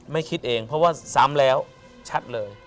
ไม่คิดเองเพราะว่าซ้ำแล้วชัดเลย